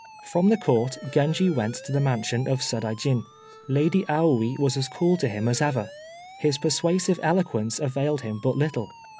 From the Court, Genji went to the mansion of Sadaijin. Lady Aoi was as cool to him as ever. His persuasive eloquence availed him but little.